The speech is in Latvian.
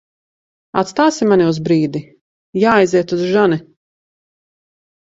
Aizstāsi mani uz brīdi? Jāaiziet uz žani.